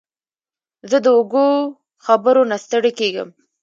زه د اوږدو خبرو نه ستړی کېږم.